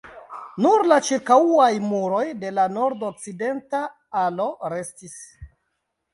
Nur la ĉirkaŭaj muroj de la nordokcidenta alo restis.